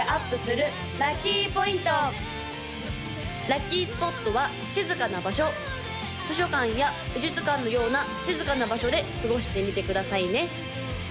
・ラッキースポットは静かな場所図書館や美術館のような静かな場所で過ごしてみてくださいね